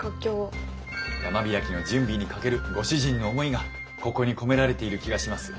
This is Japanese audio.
山開きの準備にかけるご主人の思いがここに込められている気がします。